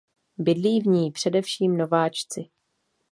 Bydlí v ní především nováčci.